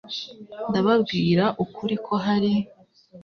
ndababwira ukuri ko hari